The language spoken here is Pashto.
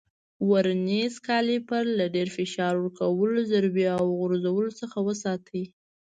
ورنیز کالیپر له ډېر فشار ورکولو، ضربې او غورځولو څخه وساتئ.